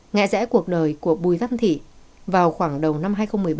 nghe rẽ cuộc đời của bùi văn thị vào khoảng đầu năm hai nghìn một mươi bảy